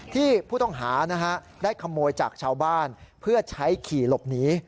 ที่ผู้ต้องหาได้ขโมยจากชาวบ้านเพื่อใช้ขี่หลบหนี